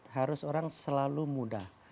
harus orang selalu mudah